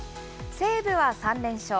西武は３連勝。